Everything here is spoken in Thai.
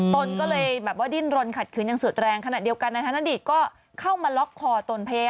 ตนก็เลยดิ้นรนขัดขึ้นอย่างสุดแรงขนาดเดียวกัน